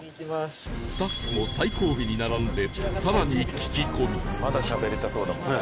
スタッフも最後尾に並んでさらに聞き込み